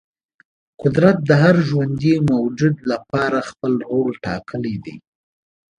قدرت د هر ژوندې موجود لپاره خپل رول ټاکلی دی.